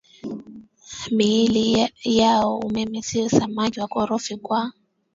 miili yao umeme Siyo samaki wakorofi kwa